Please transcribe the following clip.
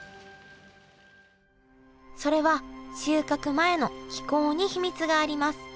それは収穫前の気候に秘密があります。